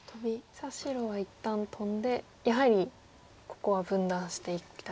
さあ白は一旦トンでやはりここは分断していきたいと。